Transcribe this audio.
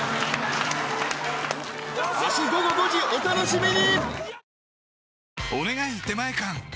明日午後５時お楽しみに！